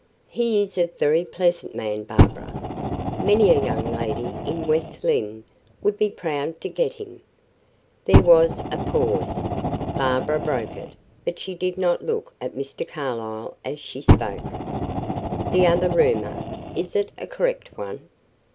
"He is a very pleasant man, Barbara. Many a young lady in West Lynne would be proud to get him." There was a pause. Barbara broke it, but she did not look at Mr. Carlyle as she spoke. "The other rumor is it a correct one?"